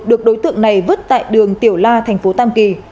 được đối tượng này vứt tại đường tiểu la thành phố tam kỳ